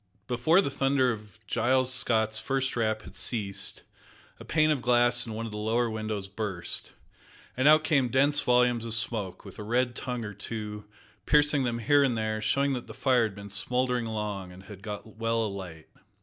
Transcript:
Before the thunder of Giles Scott's first rap had ceased, a pane of glass in one of the lower windows burst, and out came dense volumes of smoke, with a red tongue or two piercing them here and there, showing that the fire had been smouldering long, and had got well alight.